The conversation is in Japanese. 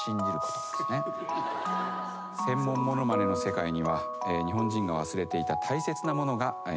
専門ものまねの世界には日本人が忘れていた大切なものがあるのかもしれません。